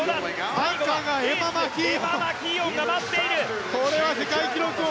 最後はエースエマ・マキーオンが待っている。